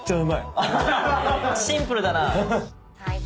シンプルだな。